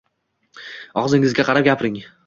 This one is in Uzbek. Og‘zingizga qarab gapiring